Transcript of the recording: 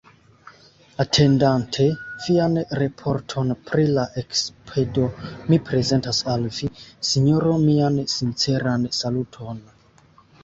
Atendante vian raporton pri la ekspedo, mi prezentas al vi, Sinjoro, mian sinceran saluton.